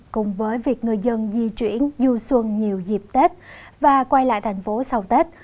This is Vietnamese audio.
cùng với việc người dân di chuyển du xuân nhiều dịp tết và quay lại thành phố sau tết